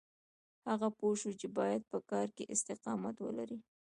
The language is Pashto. هغه پوه شو چې بايد په کار کې استقامت ولري.